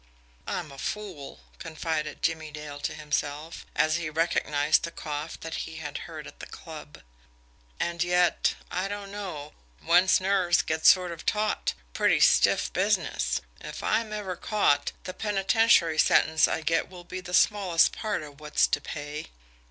"I'm a fool!" confided Jimmie Dale to himself, as he recognised the cough that he had heard at the club. "And yet I don't know. One's nerves get sort of taut. Pretty stiff business. If I'm ever caught, the penitentiary sentence I get will be the smallest part of what's to pay."